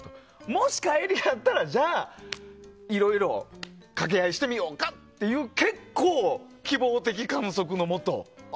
もし返りがあったらじゃあ、いろいろ掛け合いしてみようかっていう結構、希望的観測のもと。